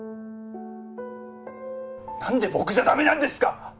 なんで僕じゃ駄目なんですか！